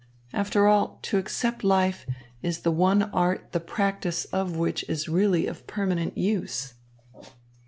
After all, to accept life is the one art the practice of which is really of permanent use."